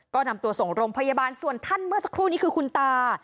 ก็นำตัวส่งโรงพยาบาลส่วนท่านเมื่อสักครู่นี้คือคุณตา